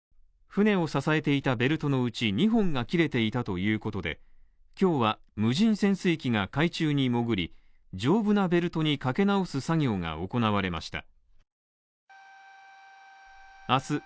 船を支えていたベルトのうち２本が切れていたということで、今日は無人潜水機が海中に潜り、丈夫なベルトにかけ直す作業が行われました。